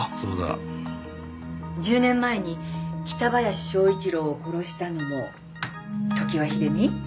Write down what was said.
１０年前に北林昭一郎を殺したのも常盤秀美？